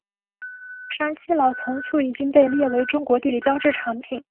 山西老陈醋已经被列为中国地理标志产品。